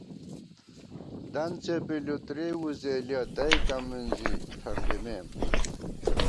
دنت څېپی لُتری وُزېلِیَہ، تئیکہ مِنزی تھمبِمېم